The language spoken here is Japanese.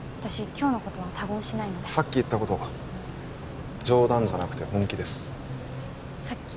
今日のことは他言しないのでさっき言ったこと冗談じゃなくて本気ですさっき？